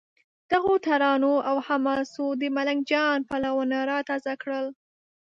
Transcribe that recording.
دغو ترانو او حماسو د ملنګ جان پلونه را تازه کړل.